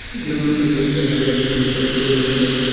লোকটার ছবি ওখানে রেখে আমাকে এই ছবির বস্তা থেকে খুঁজতে বলছে।